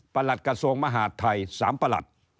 ประหลัดกระทรวงมหาธัย๓ประหลัด